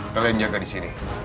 kalian jaga disini